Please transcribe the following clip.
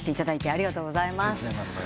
ありがとうございます。